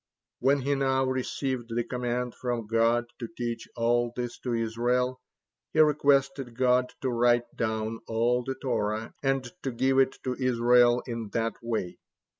When he now received the command from God to teach all this to Israel, he requested God to write down all the Torah and to give it to Israel in that way.